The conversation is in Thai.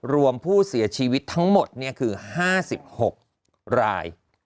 รวมผู้เสียชีวิตทั้งหมดคือ๕๖ราย